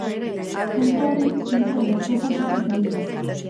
Puntu horri, zentro edo foku esaten zaio.